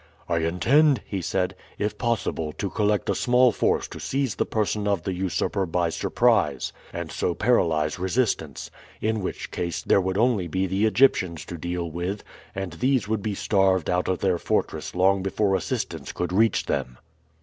"I intend," he said, "if possible, to collect a small force to seize the person of the usurper by surprise, and so paralyze resistance; in which case there would only be the Egyptians to deal with, and these would be starved out of their fortress long before assistance could reach them."